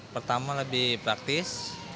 pertama lebih praktis